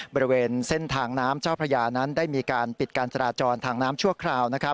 บริเวณเส้นทางน้ำเจ้าพระยานั้นได้มีการปิดการจราจรทางน้ำชั่วคราว